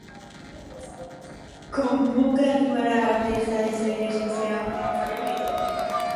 Com puc arribar a Artesa de Segre sense agafar el metro?